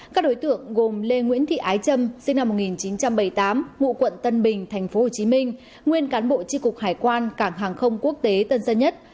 các đối tượng gồm lê nguyễn thị ái trâm sinh năm một nghìn chín trăm bảy mươi tám ngụ quận tân bình tp hcm nguyên cán bộ tri cục hải quan cảng hàng không quốc tế tân sơn nhất